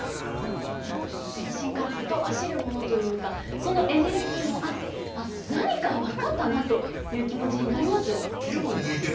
何か全身からほとばしるものというかそのエネルギーもあって「あっ何か分かったな」という気持ちになります。